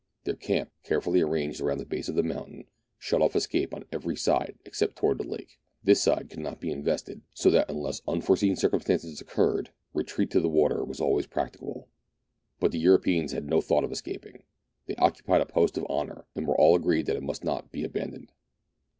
Their camp, carefully arranged round the base of the mountain, shut off escape on every side except that towards the lake. This side could not be invested, so that unless unforeseen cir cumstances occurred, retreat to the water was always prac ticable. But the Europeans had no thought of escaping : they occupied a post of honour, and were all agreed that it must not be abandoned.